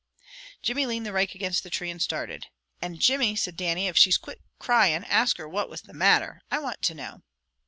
Jimmy leaned the rake against a tree, and started. "And Jimmy," said Dannie. "If she's quit crying, ask her what was the matter. I want to know."